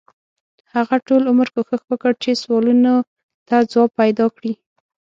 هغه ټول عمر کوښښ وکړ چې سوالونو ته ځواب پیدا کړي.